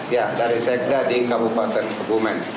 ya dari sekda di kabupaten kebumen